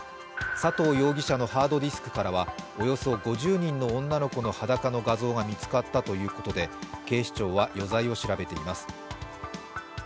佐藤容疑者のハードディスクからは、およそ５０人の女の子の裸の画像が見つかったということで警視庁は余罪を調べています。